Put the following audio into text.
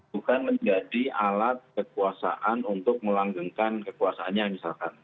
bukan menjadi alat kekuasaan untuk melanggengkan kekuasaannya misalkan